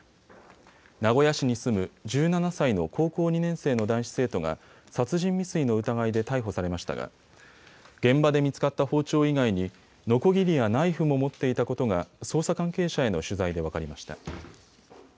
名古屋市に住む１７歳の高校２年生の男子生徒が殺人未遂の疑いで逮捕されましたが現場で見つかった包丁以外にのこぎりやナイフも持っていたことが捜査関係者への取材で分かりました。